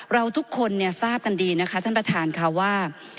เราทุกคนเนี่ยทราบกันดีนะคะท่านประธานค่ะว่า